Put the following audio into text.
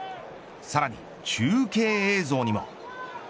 さらに中継映像にも。